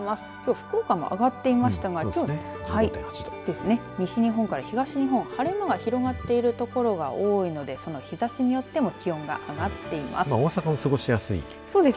福岡も上がっていましたが西日本から東日本、晴れ間が広がっている所が多いのでその日ざしによって気温が上がっています。